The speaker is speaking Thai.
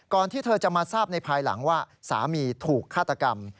ที่เธอจะมาทราบในภายหลังว่าสามีถูกฆาตกรรม